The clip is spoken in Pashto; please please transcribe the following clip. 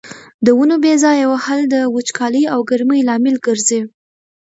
د ونو بې ځایه وهل د وچکالۍ او ګرمۍ لامل ګرځي.